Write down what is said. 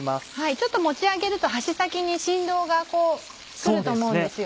ちょっと持ち上げると箸先に振動が来ると思うんです。